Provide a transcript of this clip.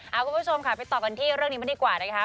เอาคุณผู้ชมค่ะไปต่อกันที่เรื่องนี้มันดีกว่านะคะ